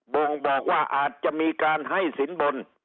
บ่งบอกว่าอาจจะมีการให้สินบน